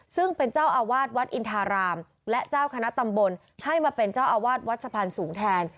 ซึ่งเป็นเจ้าอาวาสวัดอินทารามและเจ้าคณะตำบลให้มาเป็นเจ้าอาวาสวัดสะพานสูงแทน